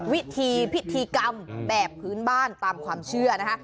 พิธีพิธีกรรมแบบพื้นบ้านตามความเชื่อนะคะ